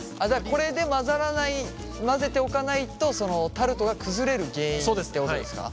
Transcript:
これで混ぜておかないとタルトが崩れる原因ってことですか？